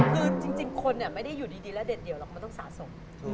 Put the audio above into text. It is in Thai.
คือจริงคนไม่ได้อยู่ดีแล้วเด็ดเดียวหรอกมันต้องสะสม